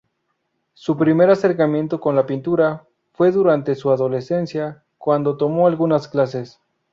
Su primer acercamiento con la pintura fue durante su adolescencia, cuando tomó algunas clases.